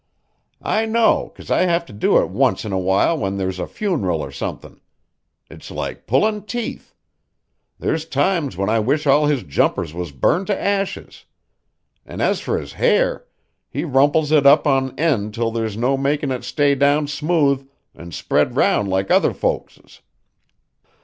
I know, 'cause I have it to do once in a while when there's a funeral or somethin'. It's like pullin' teeth. There's times when I wish all his jumpers was burned to ashes. An' as for his hair, he rumples it up on end 'till there's no makin' it stay down smooth an' spread round like other folks's."